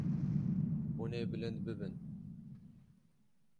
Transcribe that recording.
Hûn ê bilind bibin.